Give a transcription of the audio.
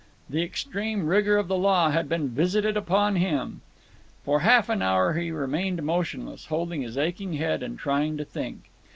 The extreme rigour of the law had been visited upon him. For half an hour he remained motionless, holding his aching head and trying to think.